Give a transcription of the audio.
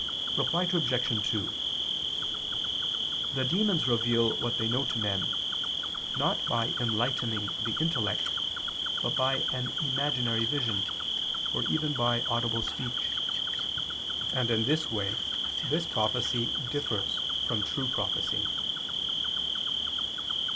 Reply Obj. 2: The demons reveal what they know to men, not by enlightening the intellect, but by an imaginary vision, or even by audible speech; and in this way this prophecy differs from true prophecy.